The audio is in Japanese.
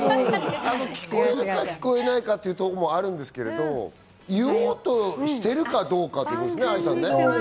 聞こえるか聞こえないかっていうこともあるんですけど、言おうとしてるかどうかですね、愛さん。